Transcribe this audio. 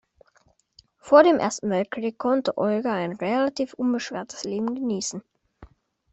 Vor dem Ersten Weltkrieg konnte Olga ein relativ unbeschwertes Leben genießen.